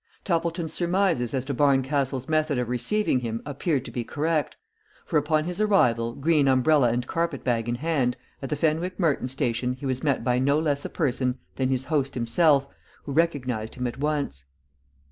TOPPLETON'S surmises as to Barncastle's method of receiving him appeared to be correct, for upon his arrival, green umbrella and carpet bag in hand, at the Fenwick Merton station he was met by no less a person than his host himself, who recognized him at once.